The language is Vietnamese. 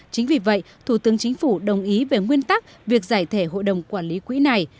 chính vì vậy thủ tướng chính phủ đồng ý về nguyên tắc việc giải thể hội đồng quản lý quỹ này